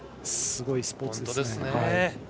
すごいスポーツですね。